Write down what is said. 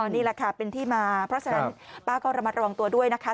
นี่แหละค่ะเป็นที่มาเพราะฉะนั้นป้าก็ระมัดระวังตัวด้วยนะคะ